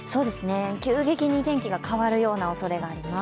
急激に天気が変わるようなおそれがあります